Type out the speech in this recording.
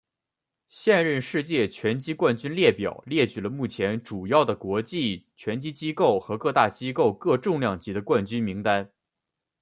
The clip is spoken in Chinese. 现任世界拳击冠军列表列举了目前主要的国际拳击机构和各大机构各重量级的冠军名单。